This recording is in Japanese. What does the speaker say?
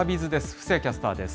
布施谷キャスターです。